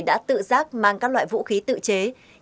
đã tự giác mang các loại vũ khí tự chế